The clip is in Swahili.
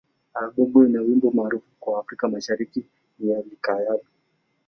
Albamu ina wimbo maarufu kwa Afrika Mashariki ni "Likayabo.